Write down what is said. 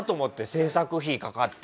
制作費かかって。